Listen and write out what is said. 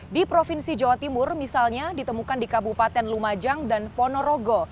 di provinsi jawa timur misalnya ditemukan di kabupaten lumajang dan ponorogo